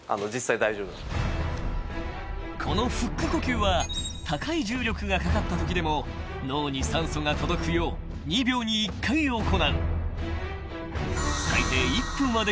［このフック呼吸は高い重力がかかったときでも脳に酸素が届くよう２秒に１回行う］